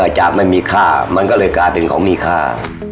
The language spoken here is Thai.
จากมันมีค่ามันก็เลยกลายเป็นของมีค่า